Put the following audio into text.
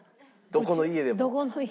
どこの家でも。